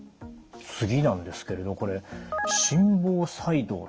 次なんですけれどこれ心房細動。